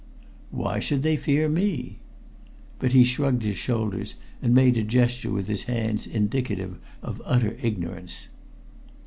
"Why should they fear me?" But he shrugged his shoulders, and made a gesture with his hands indicative of utter ignorance.